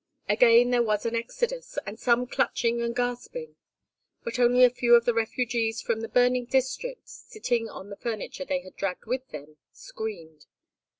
Again there was an exodus, and some clutching and gasping; but only a few of the refugees from the burning district, sitting on the furniture they had dragged with them, screamed.